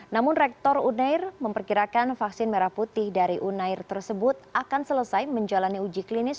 namun rektor unair memperkirakan vaksin merah putih dari unair tersebut akan selesai menjalani uji klinis